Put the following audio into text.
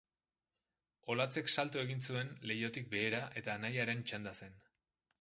Olatzek salto egin zuen leihotik behera eta anaiaren txanda zen.